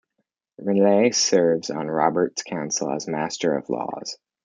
Renly serves on Robert's council as Master of Laws.